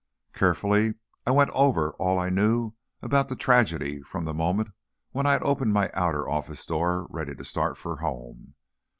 Carefully, I went over all I knew about the tragedy from the moment when I had opened my outer office door ready to start for home.